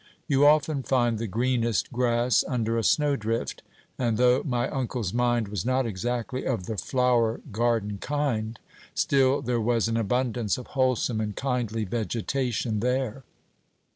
You often find the greenest grass under a snowdrift; and though my uncle's mind was not exactly of the flower garden kind, still there was an abundance of wholesome and kindly vegetation there.